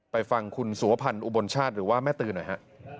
ฟังคุณสุวพันธ์อุบลชาติหรือว่าแม่ตือหน่อยฮะ